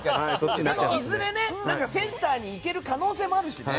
いずれセンターに行ける可能性もあるしね。